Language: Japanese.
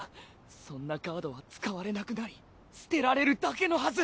そんなカードは使われなくなり捨てられるだけのはず。